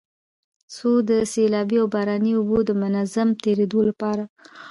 څو د سيلابي او باراني اوبو د منظم تېرېدو لپاره